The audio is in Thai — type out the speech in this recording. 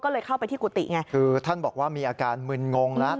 ก็เลยเข้าไปที่กุฏิไงคือท่านบอกว่ามีอาการมึนงงแล้ว